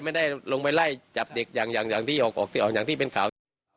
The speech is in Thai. ไม่ได้ลงไปไล่จับเด็กอย่างที่เป็นข่าว